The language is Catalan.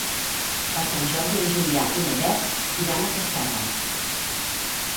Per Sant Jordi en Julià i na Beth iran a Casserres.